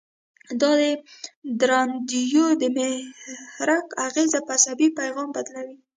دا دندرایدونه د محرک اغیزه په عصبي پیغام بدلوي.